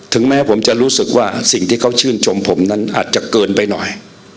แม้ผมจะรู้สึกว่าสิ่งที่เขาชื่นชมผมนั้นอาจจะเกินไปหน่อย